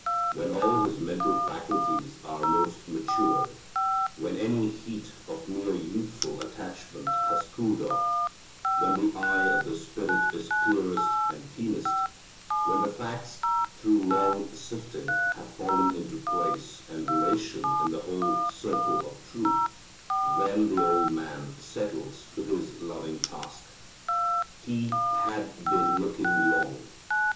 When all his mental faculties are most matured, when any heat of mere youthful attachment has cooled off, when the eye of the spirit is clearest and keenest, when the facts through long sifting have fallen into right place and relation in the whole circle of truth, then the old man settles to his loving task. He had been looking long.